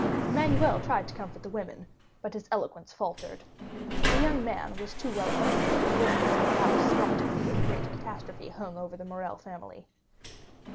Emmanuel tried to comfort the women, but his eloquence faltered. The young man was too well acquainted with the business of the house, not to feel that a great catastrophe hung over the Morrel family.